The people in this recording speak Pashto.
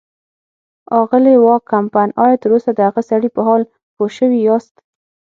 اغلې وان کمپن، ایا تراوسه د هغه سړي په حال پوه شوي یاست.